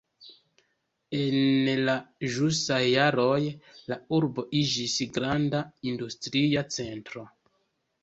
En la ĵusaj jaroj la urbo iĝis granda industria centro.